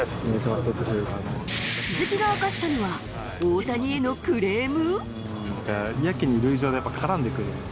鈴木が明かしたのは大谷へのクレーム。